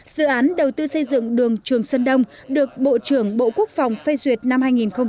dự án đầu tư xây dựng đường trường sơn đông được bộ trưởng bộ quốc phòng phê duyệt năm hai nghìn một mươi